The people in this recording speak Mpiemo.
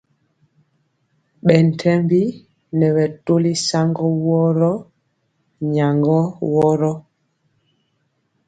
Bɛ ntembi nɛ bɛtɔli saŋgɔ woro, nyagɔ woro.